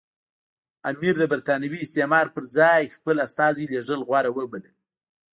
امیر د برټانوي استازي پر ځای خپل استازی لېږل غوره وبلل.